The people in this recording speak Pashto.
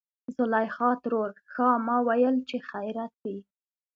زليخا ترور :ښا ما ويل چې خېرت وي.